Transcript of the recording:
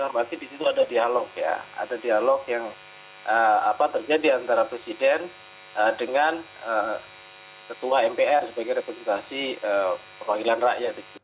berarti disitu ada dialog ya ada dialog yang terjadi antara presiden dengan ketua mpr sebagai representasi perwakilan rakyat